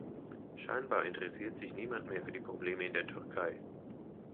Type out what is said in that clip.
Scheinbar interessiert sich niemand mehr für die Probleme in der Türkei.